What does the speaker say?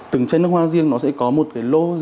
từng tranh nước hoa riêng nó sẽ có một cái lô